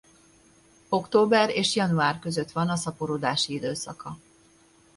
Október és január között van a szaporodási időszaka.